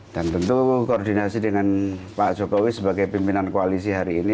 dan tentu koordinasi dengan pak jokowi sebagai pimpinan koalisi hari ini